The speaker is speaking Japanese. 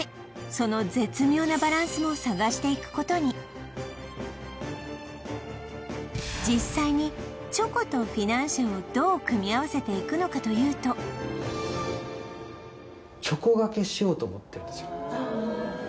その絶妙なバランスを探していくことに実際にチョコとフィナンシェをどう組み合わせていくのかというとしようと思ってるんですよ